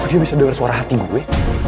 kok dia bisa denger suara hati gue